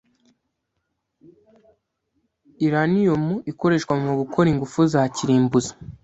Uranium ikoreshwa mugukora ingufu za kirimbuzi.